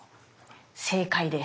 正解です！